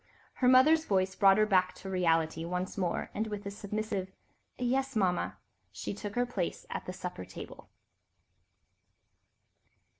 Her mother's voice brought her back to reality once more, and with a submissive "Yes, Mama," she too took her place at the supper table.